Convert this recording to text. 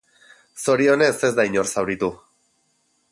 Zorionez ez da inor zauritu.